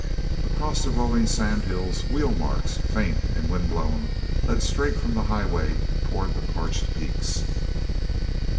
Across the rolling sand hills wheel marks, faint and wind blown, led straight from the highway toward the parched peaks.